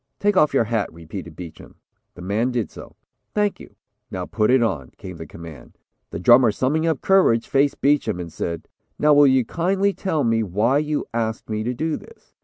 "Take off your hat," repeated Beacham. The man did so. "Thank you; now put it on," came the command. The drummer summing up courage, faced Beacham and said, "Now will you kindly tell me why you asked me to do this?"